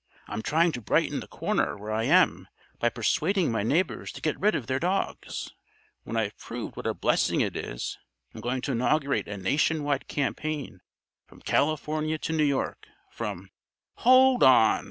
I'm trying to brighten the corner where I am by persuading my neighbors to get rid of their dogs. When I've proved what a blessing it is I'm going to inaugurate a nation wide campaign from California to New York, from " "Hold on!"